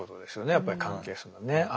やっぱり関係するのはね。